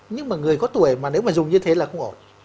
nhưng mà người có tuổi mà nếu mà dùng như thế là không ổn